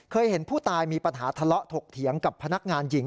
เห็นผู้ตายมีปัญหาทะเลาะถกเถียงกับพนักงานหญิง